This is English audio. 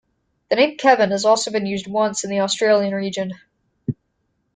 The name Kevin has also been used once in the Australian region.